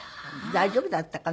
大丈夫だったかな。